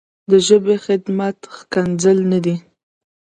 د ژبې خدمت ښکنځل نه دي.